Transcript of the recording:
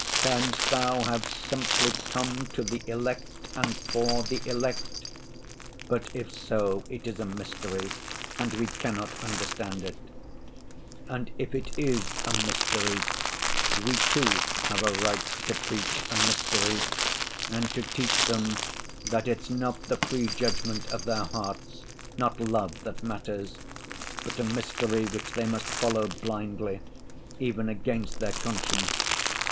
Canst Thou have simply come to the elect and for the elect? But if so, it is a mystery and we cannot understand it. And if it is a mystery, we too have a right to preach a mystery, and to teach them that it's not the free judgment of their hearts, not love that matters, but a mystery which they must follow blindly, even against their conscience.